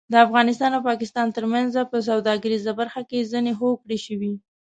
د افغانستان او پاکستان ترمنځ په سوداګریزه برخه کې ځینې هوکړې شوې